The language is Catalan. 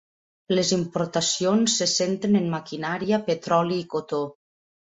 Les importacions se centren en maquinària, petroli i cotó.